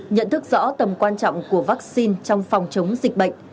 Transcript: nhận thức rõ tầm quan trọng của vaccine trong phòng chống dịch bệnh